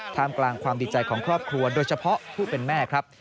กลางความดีใจของครอบครัวโดยเฉพาะผู้เป็นแม่ครับ